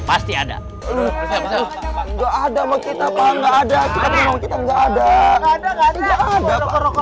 pasti ada enggak ada mau kita panggung ada kita bilang kita nggak ada ada nggak ada